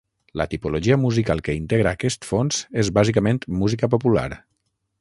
La tipologia musical que integra aquest fons és bàsicament música popular.